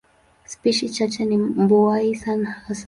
Spishi chache ni mbuai hasa.